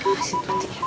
masih tuti ya